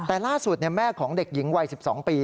แต่ล่าสุดแม่ของเด็กหญิงวัย๑๒ปี